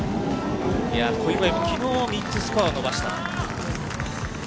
小祝もきのう、３つスコアを伸ばした。